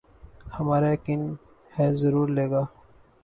ہمارا یقین ہے ضرور لیگا